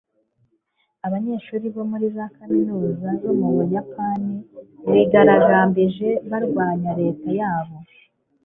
abanyeshuri bo muri za kaminuza zo mu Buyapani bigaragambije barwanya leta yabo.